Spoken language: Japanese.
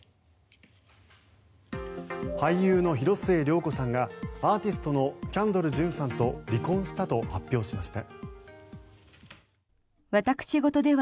俳優の広末涼子さんがアーティストのキャンドル・ジュンさんと離婚したと発表しました。